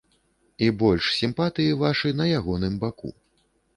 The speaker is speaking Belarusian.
І больш сімпатыі вашы на ягоным баку.